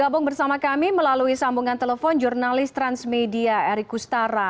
bersama kami melalui sambungan telepon jurnalis transmedia erick kustara